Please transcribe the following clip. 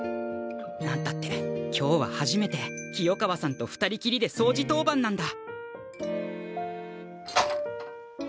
何たって今日は初めて清川さんと二人きりでそうじ当番なんだ！